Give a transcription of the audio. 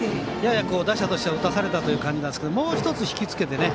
やや打者としては打たされた感じですがもう１つ引き付けてね